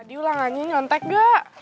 tadi ulangannya nyontek gak